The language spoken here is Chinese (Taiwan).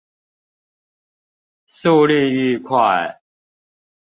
速率愈快